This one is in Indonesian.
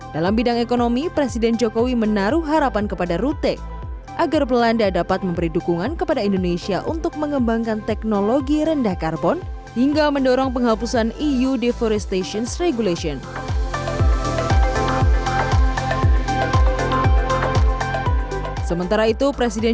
dalam bidang ekonomi presiden jokowi menaruh harapan kepada rute agar belanda dapat memberi dukungan kepada indonesia untuk mengembangkan teknologi rendah karbon hingga mendorong penghapusan eu deforestations regulation